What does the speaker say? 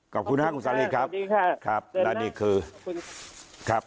ขอบคุณครับคุณสาลีครับ